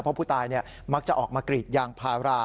เพราะผู้ตายมักจะออกมากรีดยางพารา